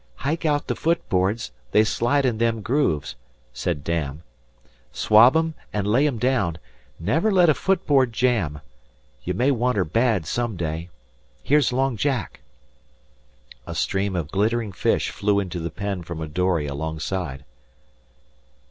"Hike out the foot boards; they slide in them grooves," said Dan. "Swab 'em an' lay 'em down. Never let a foot board jam. Ye may want her bad some day. Here's Long Jack." A stream of glittering fish flew into the pen from a dory alongside.